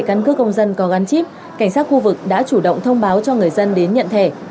căn cước công dân có gắn chip cảnh sát khu vực đã chủ động thông báo cho người dân đến nhận thẻ